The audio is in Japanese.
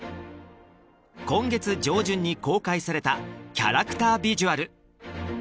今月上旬に公開されたキャラクタービジュアル